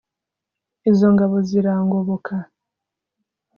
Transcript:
Izo ngabo zirangoboka